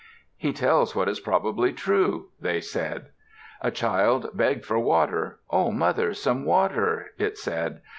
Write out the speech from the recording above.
"He tells what is probably true," they said. A child begged for water. "O mother, some water," it said.